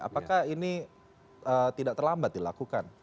apakah ini tidak terlambat dilakukan